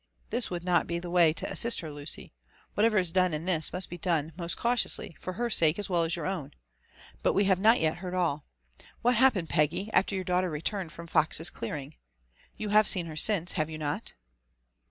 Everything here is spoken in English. This would not be the way to assist her, Lucy : whatever is done in this must be done most cau tiously, for her sake as well as your own. — But we have not yet heard all. What happened, Peggy, after your daughter returned ■from Fox's clearing? You have seen her since, have you not